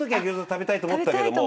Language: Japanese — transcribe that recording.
食べたいと思ったけど。